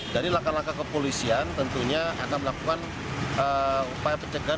dari langkah langkah kepolisian tentunya akan melakukan upaya pencegahan